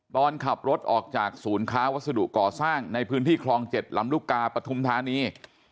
ตอนขับรถออกจากศูนย์ค้าวัสดุก่อสร้างในพื้นที่คลอง๗ลำลูกกาปฐุมธานี